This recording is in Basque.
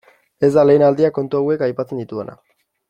Ez da lehen aldia kontu hauek aipatzen ditudana.